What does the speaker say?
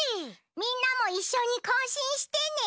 みんなもいっしょにこうしんしてね。